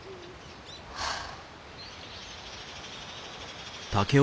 はあ。